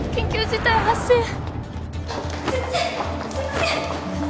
すいません！